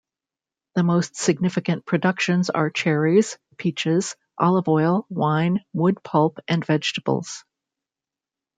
The most significant productions are cherries, peaches, olive oil, wine, wood pulp and vegetables.